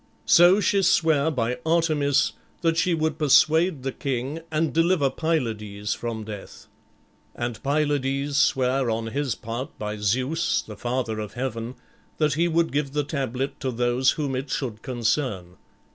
So she sware by Artemis that she would persuade the king, and deliver Pylades from death. And Pylades sware on his part by Zeus, the father of heaven, that he would give the tablet to those whom it should concern.